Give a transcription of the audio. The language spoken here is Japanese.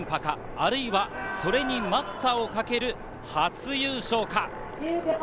あるいはそれに待ったをかける初優勝か？